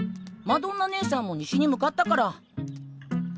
マドンナねえさんも西に向かったから。